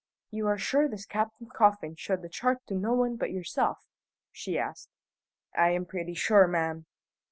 "You are sure this Captain Coffin showed the chart to no one but yourself?" she asked. "I am pretty sure, ma'am."